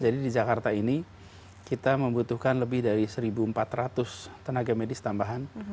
jadi di jakarta ini kita membutuhkan lebih dari seribu empat ratus tenaga medis tambahan